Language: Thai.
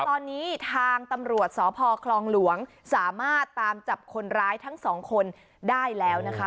ตอนนี้ทางตำรวจสพคลองหลวงสามารถตามจับคนร้ายทั้งสองคนได้แล้วนะคะ